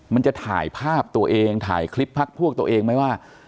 มันจะถ่ายภาพตัวเองถ่ายคลิปพักพวกตัวเองไหมว่า